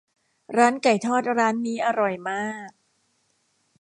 ร้านไก่ทอดร้านนี้อร่อยมาก